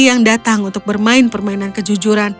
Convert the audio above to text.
yang datang untuk bermain permainan kejujuran